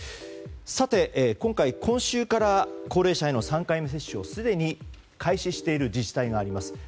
さて、今回今週から高齢者の３回目接種をすでに開始している自治体があります。